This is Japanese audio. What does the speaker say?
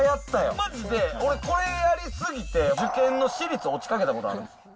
まじで、俺、これやり過ぎて、受験で私立落ちかけたことあるんです。